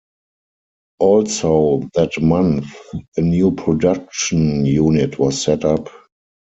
Also that month, a new production unit was set up.